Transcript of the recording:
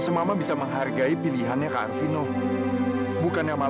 sampai jumpa di video selanjutnya